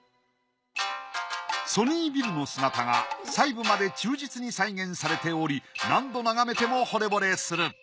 ソニービルの姿が細部まで忠実に再現されており何度眺めても惚れぼれする。